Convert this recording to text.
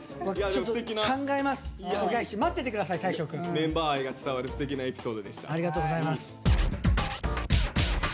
メンバー愛が伝わるすてきなエピソードでした。